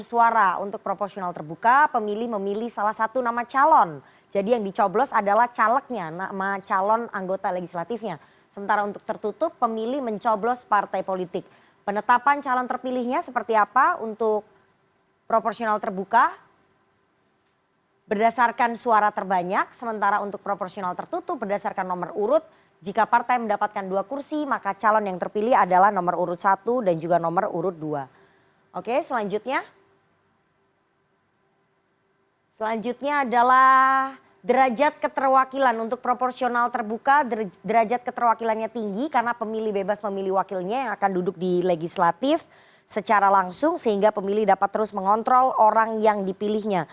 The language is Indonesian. wakilnya yang akan duduk di legislatif secara langsung sehingga pemilih dapat terus mengontrol orang yang dipilihnya